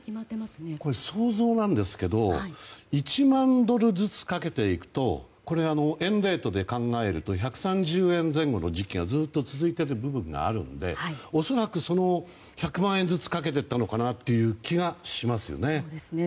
想像なんですけど１万ドルずつ賭けていくと円レートで考えると１３０円前後の時期がずっと続いている部分があるので恐らく、その１００万円ずつ賭けていったのかなという気がしますよね。